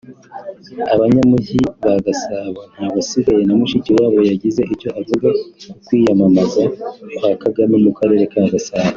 Abanyamujyi ba Gasabo nta wasigaye… na Mushikiwabo yagize icyo avuga ku kwiyamamaza kwa Kagame mu Karere ka Gasabo